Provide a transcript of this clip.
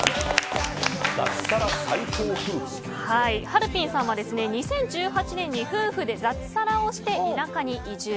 はるぴんさんは２０１８年に夫婦で脱サラをして田舎に移住。